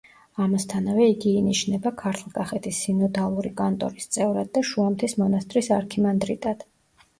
ამასთანავე იგი ინიშნება ქართლ-კახეთის სინოდალური კანტორის წევრად და შუამთის მონასტრის არქიმანდრიტად.